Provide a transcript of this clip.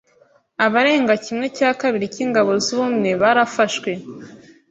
Abarenga kimwe cya kabiri cyingabo z’Ubumwe barafashwe.